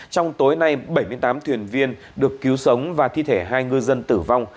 trong tối nay bảy mươi tám thuyền viên được cứu sống và thi thể hai ngư dân tử vong